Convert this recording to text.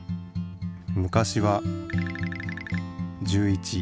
昔は１１。